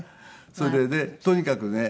それでねとにかくね